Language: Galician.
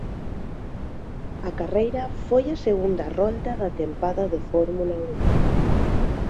A carreira foi a segunda rolda da tempada de Fórmula Un.